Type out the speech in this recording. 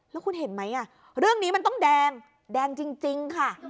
แล้วคุณเห็นไหมเรื่องนี้มันต้องแดงแดงจริงค่ะ